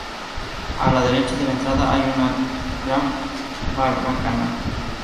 A la derecha de la entrada hay una gran barbacana.